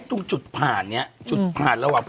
ตรงจุดผ่านเนี่ยจุดผ่าน